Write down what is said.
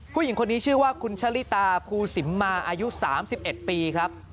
ผู้หญิงคนนี้ชื่อว่าคุณชะลิตาภูสิมมาอายุ๓๑ปีครับ